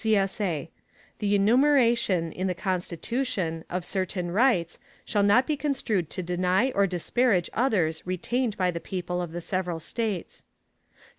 [CSA] The enumeration, in the Constitution, of certain rights, shall not be construed to deny or disparage others retained by the people of the several States.